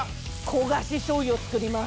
焦がししょうゆを作ります！